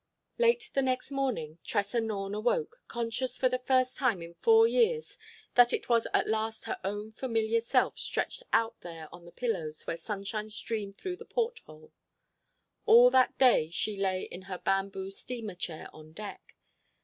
Late the next morning Tressa Norne awoke, conscious for the first time in four years that it was at last her own familiar self stretched out there on the pillows where sunshine streamed through the porthole. All that day she lay in her bamboo steamer chair on deck.